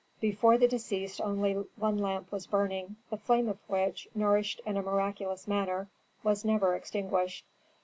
Before the deceased only one lamp was burning, the flame of which, nourished in a miraculous manner, was never extinguished.